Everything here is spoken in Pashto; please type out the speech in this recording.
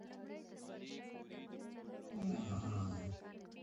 زه د وطن په نوم ژاړم